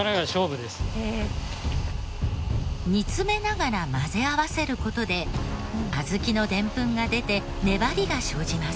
煮詰めながら混ぜ合わせる事で小豆のデンプンが出て粘りが生じます。